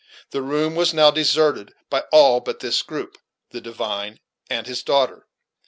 The room was now deserted by all but this group, the divine, and his daughter.